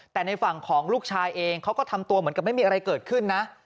แต่ในฝั่งของลูกชายเองเขาก็ทำตัวเหมือนกับไม่มีอะไรเกิดขึ้นนะ